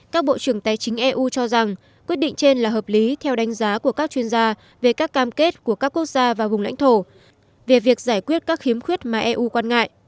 các bộ trưởng tài chính eu cho rằng quyết định trên là hợp lý theo đánh giá của các chuyên gia về các cam kết của các quốc gia và vùng lãnh thổ về việc giải quyết các khiếm khuyết mà eu quan ngại